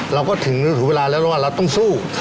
เราก็ถึงเวลาแล้วว่าเราต้องสู้